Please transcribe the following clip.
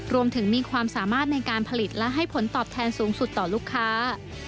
มีความสามารถในการผลิตและให้ผลตอบแทนสูงสุดต่อลูกค้า